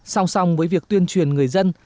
song song với việc tuyên truyền người dân